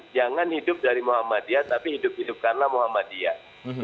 jangan hidup dari muhammadiyah tapi hidup hidupkanlah muhammadiyah